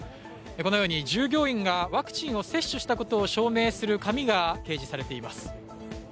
このように従業員がワクチンを接種したとを証明する紙が掲示されています。